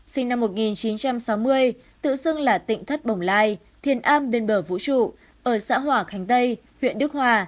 sinh năm một nghìn chín trăm sáu mươi tự xưng là tỉnh thất bồng lai thiền am bên bờ vũ trụ ở xã hỏa khánh tây huyện đức hòa